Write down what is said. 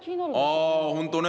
あ本当ね。